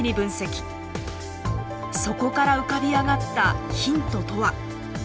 そこから浮かび上がったヒントとは。